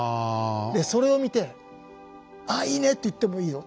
でそれを見て「ああいいね」って言ってもいいよ。